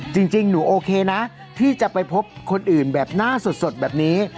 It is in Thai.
จริงหนูโอเคนะที่จะไปพบคนอื่นแบบหน้าสดแบบนี้